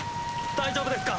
大丈夫ですか？